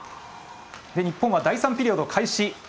日本は第３ピリオド開始